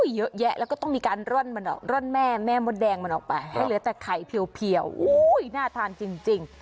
เยอะแยะแล้วก็ต้องมีการร่อนมันออกร่อนแม่แม่มดแดงมันออกไปให้เหลือแต่ไข่เพียวน่าทานจริง